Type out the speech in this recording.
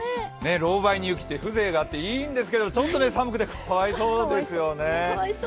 ロウバイに雪って風情があっていいんですけどちょっと寒くてかわいそうですよね。